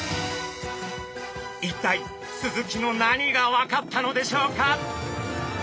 一体スズキの何が分かったのでしょうか？